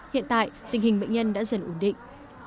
hiện tại tình hình bệnh nhân đã dần ổn định